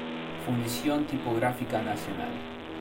Fundición Tipográfica Nacional